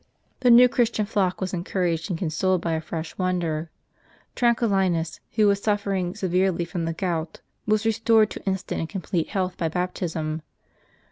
The new Christian flock was encouraged and consoled by a fresh wonder. Tranquillinus, who was suffering severely from the gout, was restored to instant and complete health by baptism.